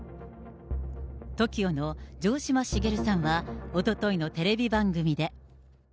ＴＯＫＩＯの城島茂さんは、おとといのテレビ番組で。